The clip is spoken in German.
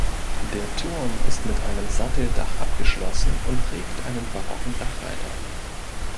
Der Turm ist mit einem Satteldach abgeschlossen und trägt einen barocken Dachreiter.